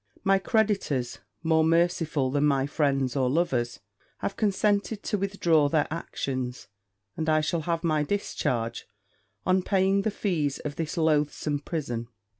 My creditors, more merciful than my friends or lovers, have consented to withdraw their actions; and I shall have my discharge on paying the fees of this loathsome prison.